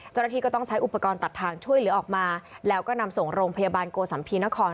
เจ้าหน้าที่ก็ต้องใช้อุปกรณ์ตัดทางช่วยเหลือออกมาแล้วก็นำส่งโรงพยาบาลโกสัมภีนคร